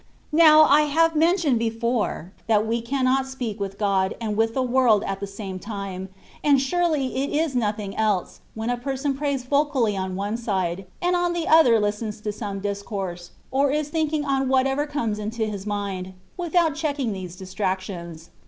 Now, I have mentioned before, that we cannot speak with God and with the world at the same time ; and surely it is nothing else, when a person prays vocally on one side, and on the other listens to some discourse, or is thinking on what ever comes into his mind, without checking these distractions.